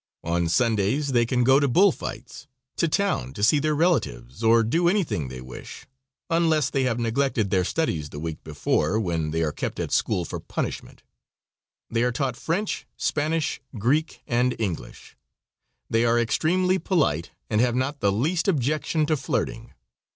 On Sundays they can go to bull fights, to town to see their relatives, or do anything they wish, unless they have neglected their studies the week before, when they are kept at school for punishment. They are taught French, Spanish, Greek, and English. They are extremely polite, and have not the least objection to flirting.